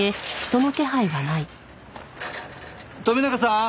富永さん？